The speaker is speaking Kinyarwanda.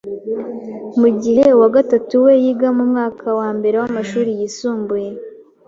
mu gihe uwa gatatu we yiga mu mwaka wa mbere w’amashuri yisumbuye.